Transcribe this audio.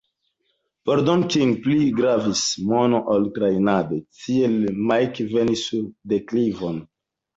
Por Don King pli gravis mono ol trejnado, tiel Mike venis sur deklivon.